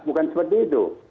bukan seperti itu